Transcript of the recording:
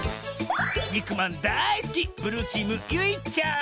にくまんだいすきブルーチームゆいちゃん。